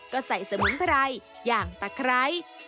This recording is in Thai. ก็ใส่สมุนไพรอย่างตะไคร้